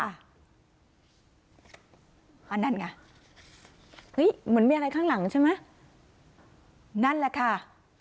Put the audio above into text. นั่นไงเฮ้ยเหมือนมีอะไรข้างหลังใช่ไหมนั่นแหละค่ะ